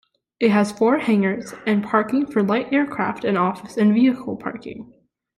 It has four hangars and parking for light aircraft, an office and vehicle parking.